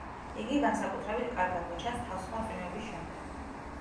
იგი განსაკუთრებით კარგად მოჩანს თავსხმა წვიმების შემდეგ.